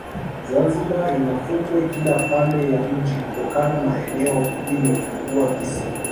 zanzibar ina fukwe Kila pande ya mji kutokana na eneo hilo kuwa kisiwa